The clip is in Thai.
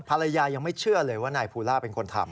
ภรรยายังไม่เชื่อเลยว่านายภูล่าเป็นคนทำ